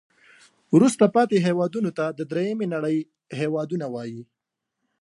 وروسته پاتې هیوادونو ته د دریمې نړۍ هېوادونه وایي.